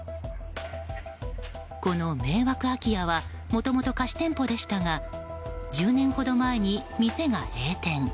この迷惑空家はもともと貸し店舗でしたが１０年ほど前に店が閉店。